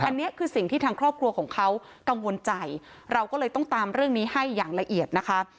อันนี้คือสิ่งที่ทางครอบครัวของเขากังวลใจเราก็เลยต้องตามเรื่องนี้ให้อย่างละเอียดนะคะ